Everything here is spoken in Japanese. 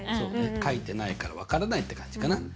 書いてないから分からないって感じかな？